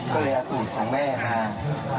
ก็เลยเอาสูตรของแม่มา